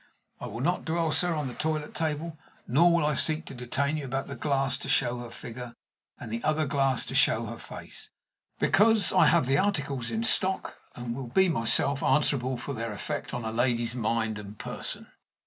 I will not dwell, sir, on the toilet table, nor will I seek to detain you about the glass to show her figure, and the other glass to show her face, because I have the articles in stock, and will be myself answerable for their effect on a lady's mind and person."